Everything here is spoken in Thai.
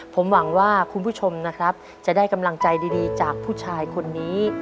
ผมหวังว่าคุณผู้ชมนะครับจะได้กำลังใจดีจากผู้ชายคนนี้